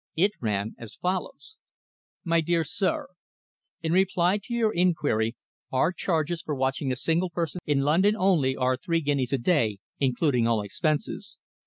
It ran as follows: "MY DEAR SIR, "In reply to your inquiry, our charges for watching a single person in London only are three guineas a day, including all expenses.